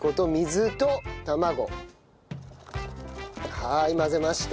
はーい混ぜました。